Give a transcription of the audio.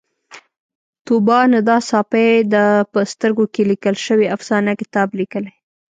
طوبا ندا ساپۍ د په سترګو کې لیکل شوې افسانه کتاب لیکلی